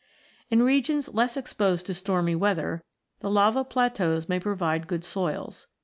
In regions less exposed to stormy weather, the lava plateaus may provide good soils.